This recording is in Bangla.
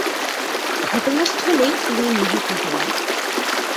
ঘটনাস্থলেই তিনি নিহত হন।